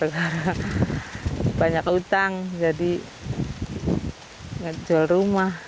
karena banyak utang jadi ngejual rumah